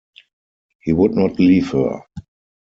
He would not leave her.